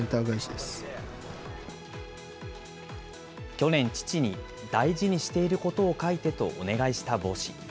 去年、父に、大事にしていることを書いてとお願いした帽子。